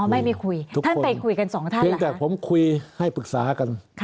ไม่มีคุยทุกคนเพียงแต่ผมคุยให้ปรึกษากัน